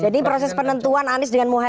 jadi proses penentuan anies dengan muhyem ini